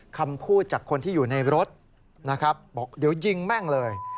คำพูดจากคนที่อยู่ในรถนะครับบอกเดี๋ยวยิงแม่งเลย